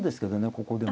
ここで。